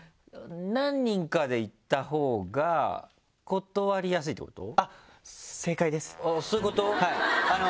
何人かで行ったほうが断りやすいってこと？